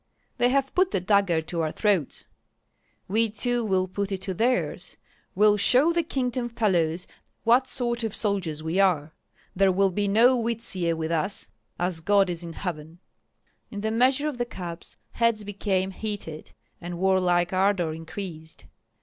"They have put the dagger to our throats." "We too will put it to theirs; we'll show the kingdom fellows what sort of soldiers we are! There will be no Uistsie with us, as God is in heaven!" In the measure of the cups, heads became heated, and warlike ardor increased.